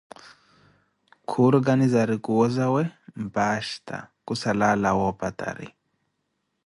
khurkanizari kuwo zawe mpasta khusala alawa opatari.